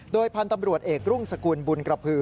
โดยพันธุ์ตำรวจเอกรุ่งสกุลบุญกระพือ